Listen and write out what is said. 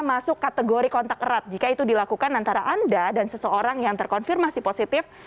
masuk kategori kontak erat jika itu dilakukan antara anda dan seseorang yang terkonfirmasi positif